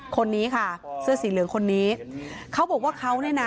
คนนี้ค่ะเสื้อสีเหลืองคนนี้เขาบอกว่าเขาเนี่ยนะ